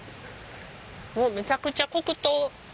もうめちゃくちゃ黒糖。